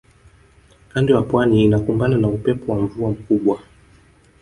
kando ya pwani inakumbana na upepo wa mvua kubwa